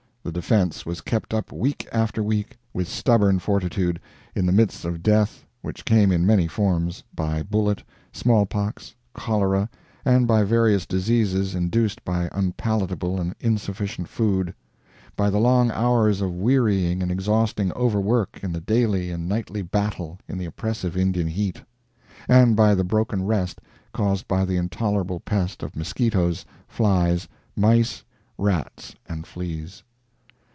The defense was kept up week after week, with stubborn fortitude, in the midst of death, which came in many forms by bullet, small pox, cholera, and by various diseases induced by unpalatable and insufficient food, by the long hours of wearying and exhausting overwork in the daily and nightly battle in the oppressive Indian heat, and by the broken rest caused by the intolerable pest of mosquitoes, flies, mice, rats, and fleas.